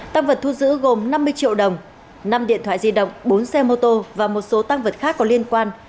tăng vật thu giữ gồm năm mươi triệu đồng năm điện thoại di động bốn xe mô tô và một số tăng vật khác có liên quan